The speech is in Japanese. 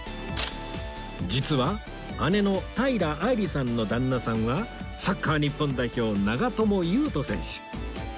実は姉の平愛梨さんの旦那さんはサッカー日本代表長友佑都選手